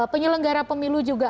penyelenggara pemilu juga